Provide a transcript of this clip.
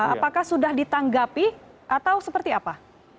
apakah sudah ditanggapi atau seperti apa